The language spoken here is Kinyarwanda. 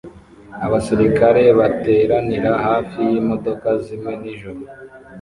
Abasirikare bateranira hafi yimodoka zimwe nijoro